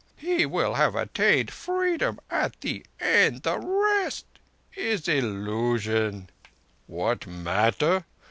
He will have attained Freedom at the end. The rest is illusion." "What matter?